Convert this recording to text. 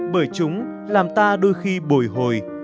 bởi chúng làm ta đôi khi bồi hồi